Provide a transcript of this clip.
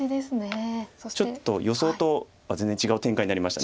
ちょっと予想とは全然違う展開になりました。